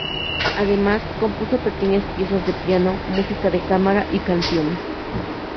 Además, compuso pequeñas piezas de piano, música de cámara y canciones.